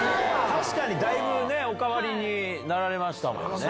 確かにだいぶね、お変わりになられましたもんね。